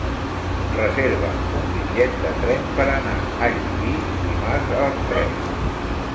Reserva'm un bitllet de tren per anar a Llubí dimarts a les tres.